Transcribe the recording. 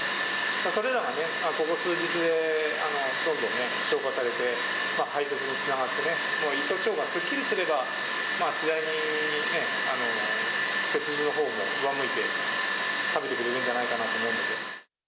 それらがね、ここ数日でどんどんね、消化されて、排せつにつながってね、胃と腸がすっきりすれば、次第に食餌のほうも上向いて食べてくれるんじゃないかなと思うん